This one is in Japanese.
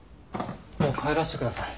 もう帰らせてください。